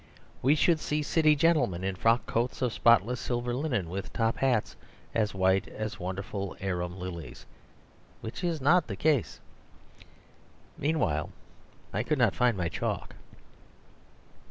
We should see city gentlemen in frock coats of spotless silver linen, with top hats as white as wonderful arum lilies. Which is not the case. Meanwhile, I could not find my chalk.